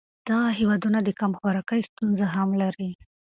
دغه هېوادونه د کم خوراکۍ ستونزه هم لري.